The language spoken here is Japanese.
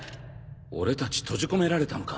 俺たち閉じ込められたのか？